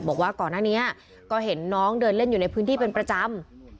บอกว่าก่อนหน้านี้ก็เห็นน้องเดินเล่นอยู่ในพื้นที่เป็นประจำ